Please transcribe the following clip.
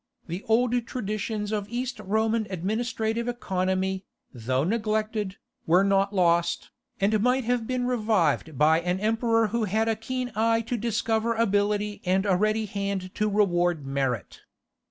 The old traditions of East Roman administrative economy, though neglected, were not lost, and might have been revived by an emperor who had a keen eye to discover ability and a ready hand to reward merit.